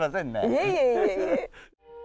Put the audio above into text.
いえいえいえいえ。